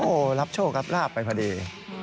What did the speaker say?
โอ้โหรับโชครับลาบไปพอดี